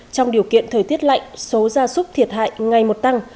trong điều kiện thời tiết lạnh số gia súc thiệt hại ngày một tăng